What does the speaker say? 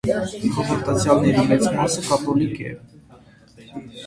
Հավատացյալների մեծ մասը կաթոլիկ է։